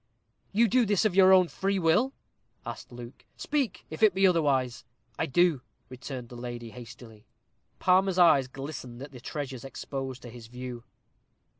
"You do this of your own free will?" asked Luke. "Speak, if it be otherwise." "I do," returned the lady, hastily. Palmer's eyes glistened at the treasures exposed to his view.